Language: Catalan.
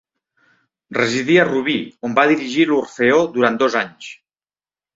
Residí a Rubí, on va dirigir l'Orfeó durant dos anys.